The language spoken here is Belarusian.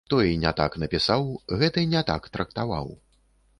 Той не так напісаў, гэты не так трактаваў.